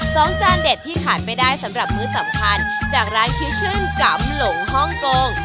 จานเด็ดที่ขาดไม่ได้สำหรับมื้อสำคัญจากร้านคิชชื่นกำหลงฮ่องกง